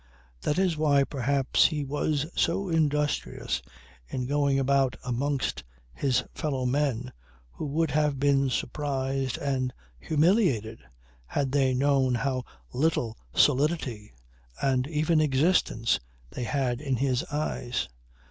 That is why perhaps he was so industrious in going about amongst his fellowmen who would have been surprised and humiliated, had they known how little solidity and even existence they had in his eyes.